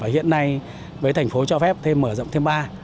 hiện nay với thành phố cho phép thêm mở rộng thêm ba